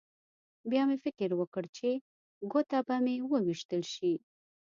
بیا مې فکر وکړ چې ګوته به مې وویشتل شي